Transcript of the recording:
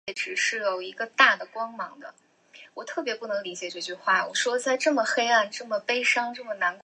本舰作为北洋舰队的重要一员参加了甲午战争。